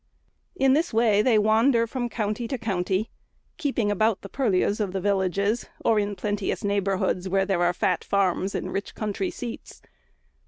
In this way they wander from county to county, keeping about the purlieus of villages, or in plenteous neighbourhoods, where there are fat farms and rich country seats.